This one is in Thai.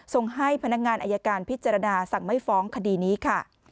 ส่งให้พนักงานอายการพิจารณาสั่งไม่ฟ้องคดีนี้ค่ะ